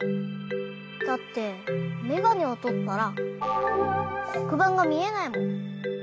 だってめがねをとったらこくばんがみえないもん。